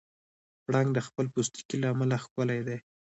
پړانګ د خپل پوستکي له امله ښکلی دی.